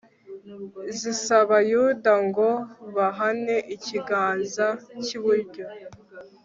zisaba yuda ngo bahane ikiganza cy'iburyo